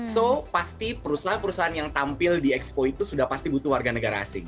so pasti perusahaan perusahaan yang tampil di expo itu sudah pasti butuh warga negara asing